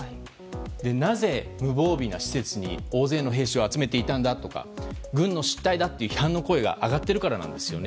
なぜ無防備な施設に大勢の兵士を集めていたんだとか軍の失態だという批判の声が上がっているからなんですよね。